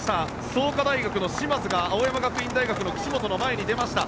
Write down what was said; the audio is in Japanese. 創価大学の嶋津が青山学院大学の岸本の前に出ました。